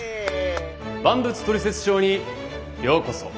「万物トリセツショー」にようこそ！